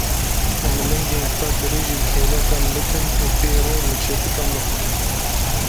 Em lingên xwe dirêjî kêlekan bikin û pê re li çepikan bixin.